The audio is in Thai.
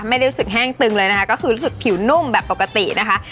ไม่ได้รู้สึกแห้งตึงเลยนะคะก็คือรู้สึกผิวนุ่มแบบปกตินะคะ